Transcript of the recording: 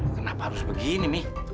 kenapa harus begini mie